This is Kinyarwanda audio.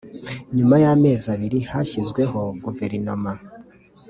nyuma y'amezi abiri hashyizweho guverinoma